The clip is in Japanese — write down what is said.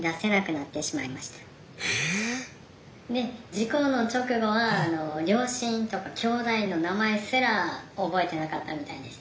「事故の直後は両親とかきょうだいの名前すら覚えてなかったみたいです」。